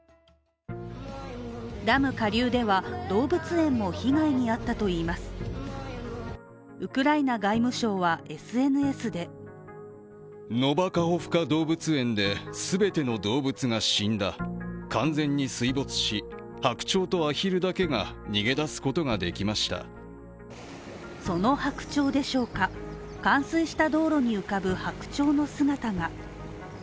ダム下流では動物園も被害に遭ったといいますウクライナ外務省はＳＮＳでその白鳥でしょうか、冠水した道路に浮かぶ白鳥の姿が。